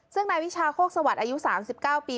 ซึ่งนายวิชาโคกสวัสดิ์อายุ๓๙ปี